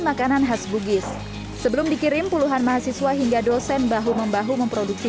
makanan khas bugis sebelum dikirim puluhan mahasiswa hingga dosen bahu membahu memproduksi